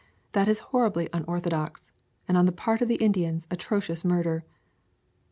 that is horribly unorthodox, and on the part of the Indians atrocious murder!